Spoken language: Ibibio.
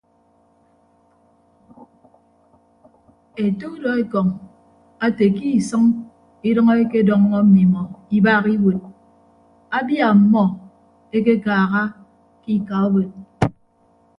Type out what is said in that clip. Ete udọekọñ ete ke isʌñ idʌñ ekedọññọ mmimọ ibaaha iwuod abia ọmmọ ekekaaha ke ika obod.